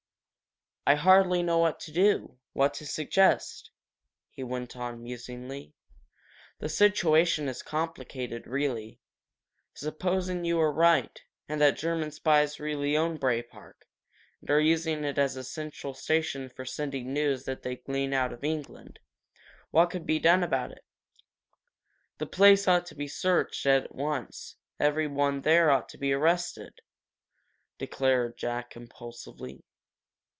"I hardly know what to do what to suggest," he went on, musingly. "The situation is complicated, really. Supposing you are right, and that German spies really own Bray Park, and are using it as a central station for sending news that they glean out of England, what could be done about it?" "The place ought to be searched at once every one there ought to be arrested!" declared Jack, impulsively.